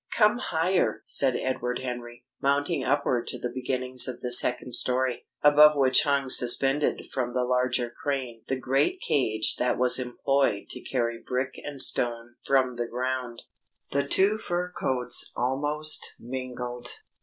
"Come higher," said Edward Henry, mounting upward to the beginnings of the second story, above which hung suspended from the larger crane the great cage that was employed to carry brick and stone from the ground. The two fur coats almost mingled.